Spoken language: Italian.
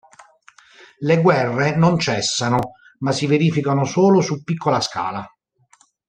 Le guerre non cessano, ma si verificano solo su piccola scala.